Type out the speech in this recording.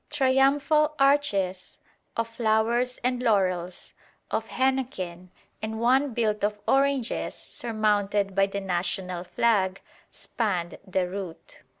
Triumphal arches of flowers and laurels, of henequen, and one built of oranges surmounted by the national flag, spanned the route.